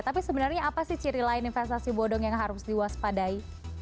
tapi sebenarnya apa sih ciri lain investasi bodong yang harus diwaspadai